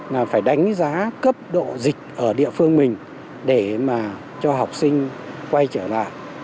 là phải đánh giá cấp độ dịch ở địa phương mình để mà cho học sinh quay trở lại